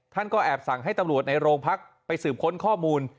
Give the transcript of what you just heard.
ท่านก็แอบสั่งให้ตำรวจในโรงพักไปสืบค้นข้อมูล